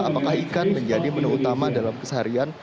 apakah ikan menjadi menu utama dalam keseharian